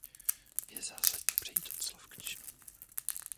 Je zásadní přejít od slov k činům.